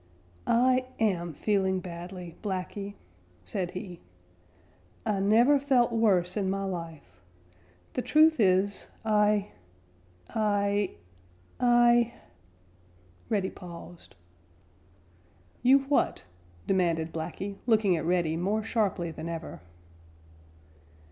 "I am feeling badly, Blacky," said he. "I never felt worse in my life. The truth is I I I " Reddy paused. "You what?" demanded Blacky, looking at Reddy more sharply than ever.